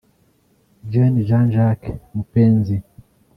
Gen Jean Jacques Mupenzi